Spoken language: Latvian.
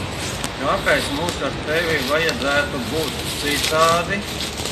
Kāpēc mums ar tevi vajadzētu būt citādi?